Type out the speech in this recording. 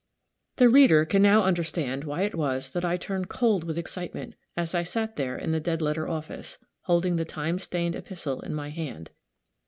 The reader can now understand why it was that I turned cold with excitement as I sat there in the dead letter office, holding the time stained epistle in my hand.